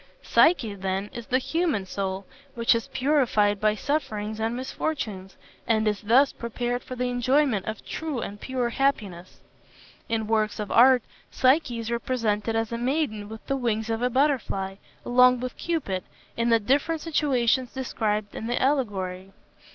Psyche, then, is the human soul, which is purified by sufferings and misfortunes, and is thus prepared for the enjoyment of true and pure happiness. In works of art Psyche is represented as a maiden with the wings of a butterfly, along with Cupid, in the different situations described in the allegory.